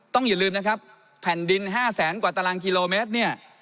ต้องอย่าลืมนะครับแผ่นดิน๕๐๐๐๐๐ตรกิโลเมตร